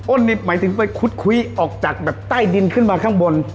หมายถึงไปคุดคุยออกจากแบบใต้ดินขึ้นมาข้างบน